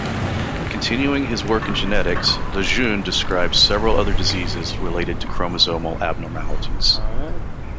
Continuing his work in genetics, Lejeune described several other diseases related to chromosomal abnormalities.